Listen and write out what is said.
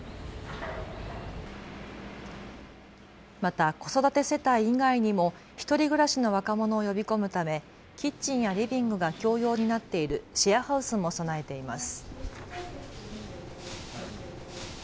また子育て世帯以外にも１人暮らしの若者を呼び込むためキッチンやリビングが共用になっているシェアハウスも備えています。